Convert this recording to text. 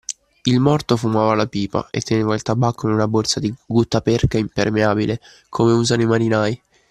Il morto fumava la pipa e teneva il tabacco in una borsa di guttaperca impermeabile, come usano i marinai.